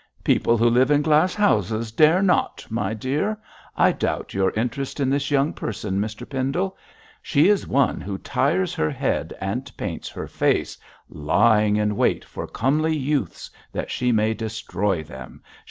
'People who live in glass houses dare not, my dear. I doubt your interest in this young person, Mr Pendle. She is one who tires her head and paints her face, lying in wait for comely youths that she may destroy them.